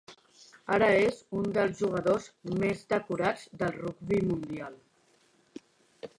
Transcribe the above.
Ara és un dels jugadors més decorats del rugbi mundial.